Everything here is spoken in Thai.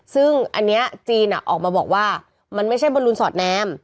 ซึ่งอันนี้จีนออกมาบอกว่ามันไม่ใช่บอลลูนสอดแนม